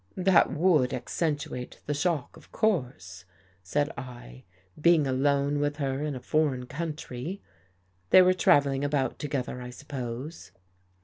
" That would accentuate the shock of course," said I, " being alone with her in a foreign country. They were traveling about together, I suppose."